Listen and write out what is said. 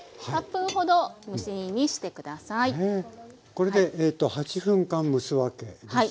これで８分間蒸すわけですよね？